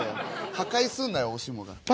破壊すんなよお下が。